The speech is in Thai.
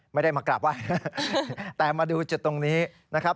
ไม่ได้มากราบไหว้แต่มาดูจุดตรงนี้นะครับ